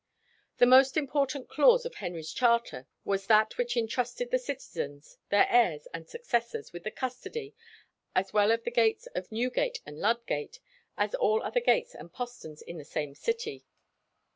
The most important clause of Henry's charter was that which entrusted the citizens, their heirs and successors, with the custody "as well of the gates of Newgate and Ludgate, as all other gates and posterns in the same city."